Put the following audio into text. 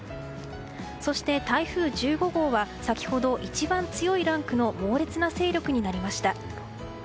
そして、台風１５号は先ほど一番強いランクの猛烈な勢力になりました。